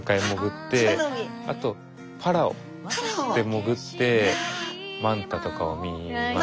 あとパラオで潜ってマンタとかを見ました。